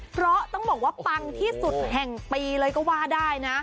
เพราะต้องบอกว่าปังที่สุดแห่งปีเลยก็ว่าได้นะ